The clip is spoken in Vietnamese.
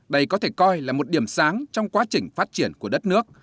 đây có thể coi là một điểm sáng trong quá trình phát triển của đất nước